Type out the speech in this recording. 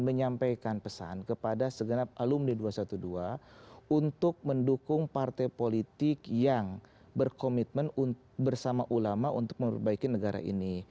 menyampaikan pesan kepada segenap alumni dua ratus dua belas untuk mendukung partai politik yang berkomitmen bersama ulama untuk memperbaiki negara ini